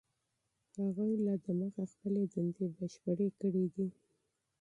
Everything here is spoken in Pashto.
هغوی لا دمخه خپلې دندې بشپړې کړي دي.